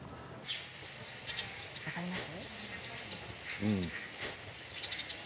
分かりますか？